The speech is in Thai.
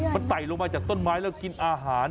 มันไต่ลงมาจากต้นไม้แล้วกินอาหาร